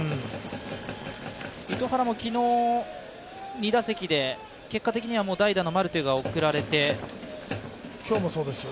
糸原も昨日、２打席で結果的には代打のマルテが送られて。